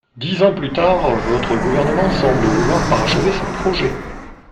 » Dix ans plus tard, votre gouvernement semble vouloir parachever ce projet.